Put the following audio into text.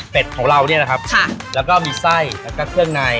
เป็นของเราเนี่ยนะครับแล้วก็มีไส้แล้วก็เครื่องใน